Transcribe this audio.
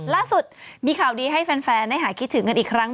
ล่าสุดมีข่าวดีให้แฟนได้หายคิดถึงกันอีกครั้ง